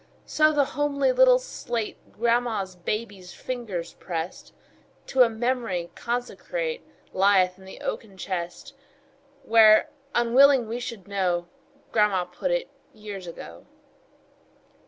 So the homely little slate Grandma's baby's fingers pressed, To a memory consecrate, Lieth in the oaken chest, Where, unwilling we should know, Grandma put it, years ago.